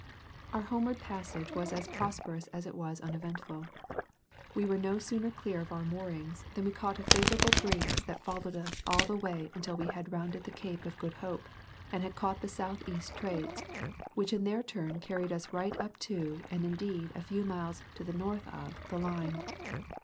Our homeward passage was as prosperous as it was uneventful. We were no sooner clear of our moorings than we caught a favourable breeze that followed us all the way until we had rounded the Cape of Good Hope and had caught the south east trades, which in their turn carried us right up to, and indeed a few miles to the north of, the Line.